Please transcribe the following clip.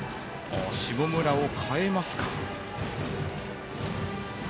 下村を代えますか。